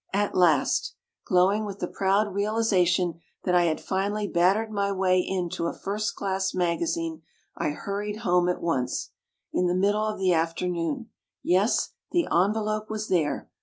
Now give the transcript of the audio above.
At last ! Glowing with the proud realization that I had finally battered my way into a first class maga zine, I hurried home at once — in the middle of the afternoon. Yes, the envelope was there.